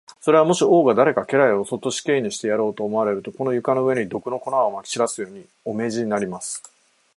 それは、もし王が誰か家来をそっと死刑にしてやろうと思われると、この床の上に、毒の粉をまき散らすように、お命じになります。